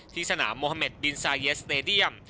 สนามโมฮาเมดดินซาเยสเตดียม